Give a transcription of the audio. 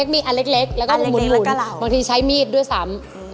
มีใช้มีดด้วยสาม